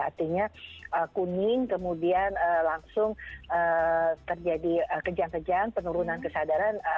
artinya kuning kemudian langsung terjadi kejang kejang penurunan kesadaran